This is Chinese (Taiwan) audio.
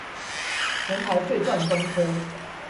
全台最賺公車